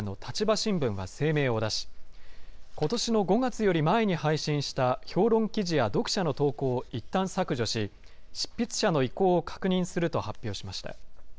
新聞は声明を出し、ことしの５月より前に配信した評論記事や読者の投稿をいったん削除し、執筆者の意向を確認すると発表しました。